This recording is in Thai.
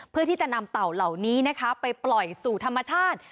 เพื่อที่จะนำเต่าเหล่านี้นะคะไปปล่อยสู่ธรรมชาติ